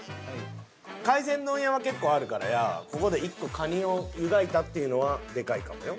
海鮮丼屋は結構あるからやここで１個カニを湯がいたっていうのはデカいかもよ。